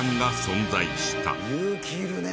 勇気いるね